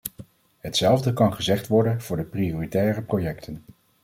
Hetzelfde kan gezegd worden van de prioritaire projecten.